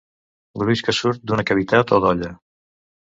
Gruix que surt d'una cavitat o dolla.